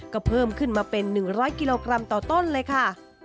ก็เพิ่มขึ้นมาเป็น๑๐๐กิโลกรัมต่อต้นเลยค่ะ